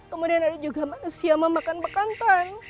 kemudian ada juga manusia memakan bekantan